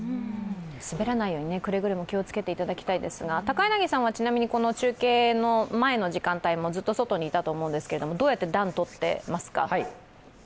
滑らないようにくれぐれも気をつけていただきたいですが、高柳さんは中継の前の時間帯もずっと外にいたと思うんですけどどうやって暖をとっていますか？